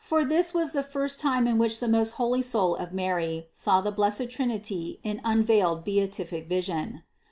This was the first time in which the most holy soul of Mary saw the blessed Trinity in unveiled beatific vision.